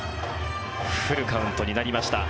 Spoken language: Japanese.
フルカウントになりました。